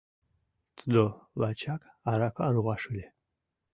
Тудо лачак арака руаш ыле.